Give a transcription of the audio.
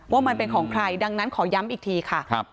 ว่ามันเป็นของใครดังนั้นขอย้ำอีกทีค่ะ